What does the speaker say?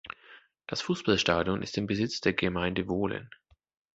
Das Fussballstadion ist im Besitz der Gemeinde Wohlen.